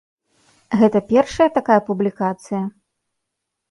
Гэта першая такая публікацыя?